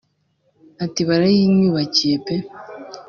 Ati “Barayinyubakiye pe